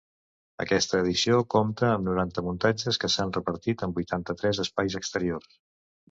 Aquesta edició compta amb noranta muntatges, que s’han repartit en vuitanta-tres espais exteriors.